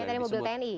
kayak tadi mobil tni